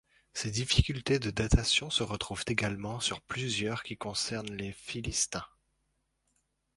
Ces difficultés de datation se retrouvent également sur plusieurs qui concernent les philistins.